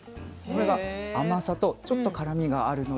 これが甘さとちょっと辛みがあるので相性が抜群。